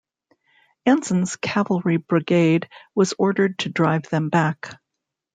Anson's cavalry brigade was ordered to drive them back.